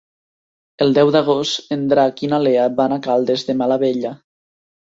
El deu d'agost en Drac i na Lea van a Caldes de Malavella.